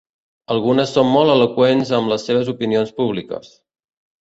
Algunes són molt eloqüents amb les seves opinions polítiques.